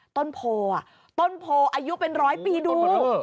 ต้นโพต้นโพอายุเป็นร้อยปีดู